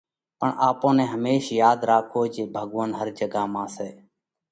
پڻ آپون نئہ هميش ياڌ راکوو جي ڀڳوونَ هر جڳا مانه سئہ۔